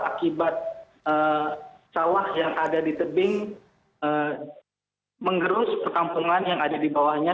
akibat sawah yang ada di tebing menggerus perkampungan yang ada di bawahnya